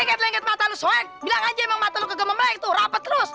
lengket lengket mata lu soek bilang aja emang mata lu kegemeremelek tuh rapet terus